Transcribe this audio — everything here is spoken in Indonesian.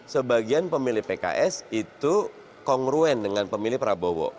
sebagian pemilih pks itu kongruen dengan pemilih prabowo